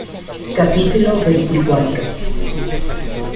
capítulo veinticuatro.